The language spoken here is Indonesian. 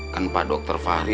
kan pak dokter fahri